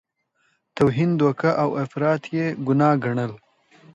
توهین، دوکه او افراط یې ګناه ګڼل.